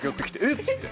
っつって。